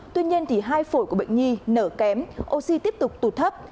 tuy nhiên hai phổi của bệnh nhi nở kém oxy tiếp tục tụt thấp